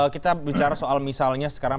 kita bicara soal misalnya sekarang